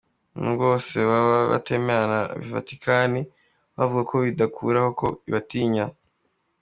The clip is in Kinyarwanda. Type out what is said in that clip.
Nubwo bose baba batemewe na Vatikani bo bavuga ko bidakuraho ko ibatinya.